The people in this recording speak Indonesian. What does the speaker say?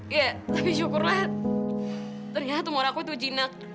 ya tapi syukurlah ternyata tumor aku itu jinak